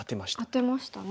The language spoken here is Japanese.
アテましたね。